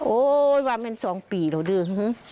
โอ๊ยมาเป็น๒ปีแล้วด้วย